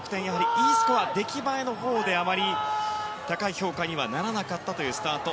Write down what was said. Ｅスコア、出来栄えのほうであまり高い評価にはならなかったというスタート。